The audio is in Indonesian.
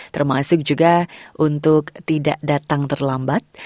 termasuk juga untuk tidak datang terlambat